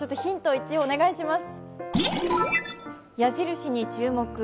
１お願いします。